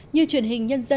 nhiều truyền hình như thế này